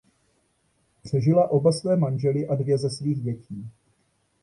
Přežila oba své manžely a dvě ze svých dětí.